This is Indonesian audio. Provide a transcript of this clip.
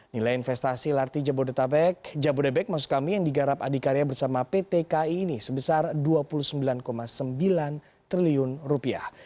nilai investasi lrt jabodebek yang digarap adikaria bersama pt kai ini sebesar dua puluh sembilan sembilan triliun rupiah